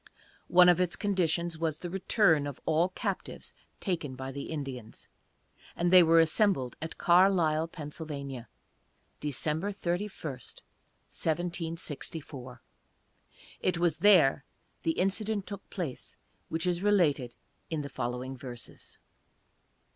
One of its conditions was the return of all captives taken by the Indians, and they were assembled at Carlisle, Pa., December 31, 1764. It was there the incident took place which is related in the following verses.